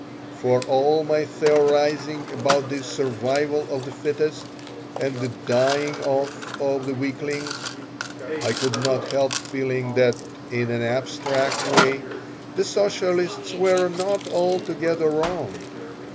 For all my theorizing about the "survival of the fittest" and the "dying off of the weaklings," I could not help feeling that, in an abstract way, the socialists were not altogether wrong.